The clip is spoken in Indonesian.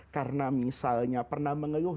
karena misalnya pernah mengeluh